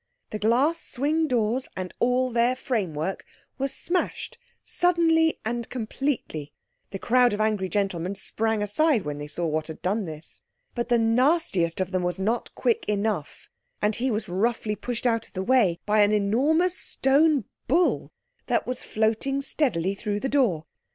The glass swing doors and all their framework were smashed suddenly and completely. The crowd of angry gentlemen sprang aside when they saw what had done this. But the nastiest of them was not quick enough, and he was roughly pushed out of the way by an enormous stone bull that was floating steadily through the door.